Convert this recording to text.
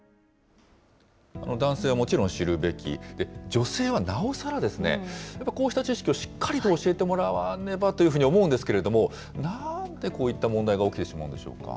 男性はもちろん知るべき、女性はなおさらですね、やっぱりこうした知識をしっかりと教えてもらわねばというふうに思うんですけれども、なんでこういった問題が起きてしまうんでし